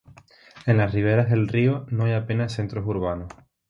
En las riberas del río no hay apenas centros urbanos.